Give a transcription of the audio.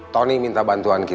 tidak ada crazy